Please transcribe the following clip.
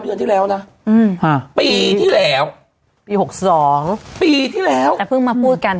เดือนที่แล้วนะอืมฮะปีที่แล้วปีหกสองปีที่แล้วแต่เพิ่งมาพูดกัน